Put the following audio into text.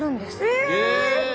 え！